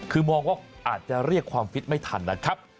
คือมองว่าอาจจะเรียกความฟิตไม่ทันนะครับ